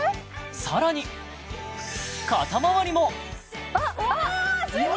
さらに肩周りもあっあっすごい！